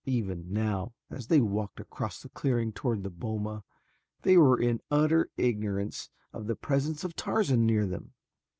Even now, as they walked across the clearing toward the boma, they were in utter ignorance of the presence of Tarzan near them.